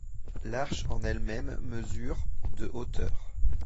L'arche en elle-même mesure de hauteur.